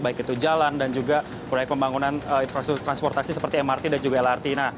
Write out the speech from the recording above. baik itu jalan dan juga proyek pembangunan infrastruktur transportasi seperti mrt dan juga lrt